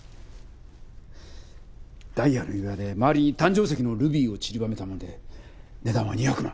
ダイヤの指輪で周りに誕生石のルビーをちりばめたもので値段は２００万。